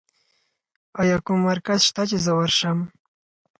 ایا کوم مرکز شته چې زه ورشم؟